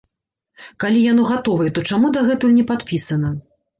Калі яно гатовае, то чаму дагэтуль не падпісана?